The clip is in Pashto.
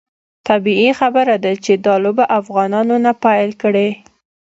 طبیعي خبره ده چې دا لوبه افغانانو نه ده پیل کړې.